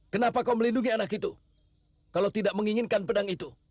kenapa kau melindungi anak itu kalau tidak menginginkan pedang itu